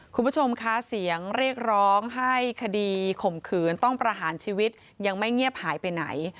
คุณผู้ชมคะเสียงเรียกร้องให้คดีข่มขืนต้องประหารชีวิตยังไม่เงียบหายไปไหน